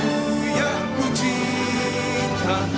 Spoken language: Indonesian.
tanahku negeriku yang ku cinta